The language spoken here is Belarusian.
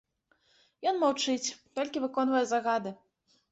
Ён маўчыць, толькі выконвае загады.